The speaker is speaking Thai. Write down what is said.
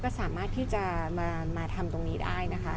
ก็สามารถที่จะมาทำตรงนี้ได้นะคะ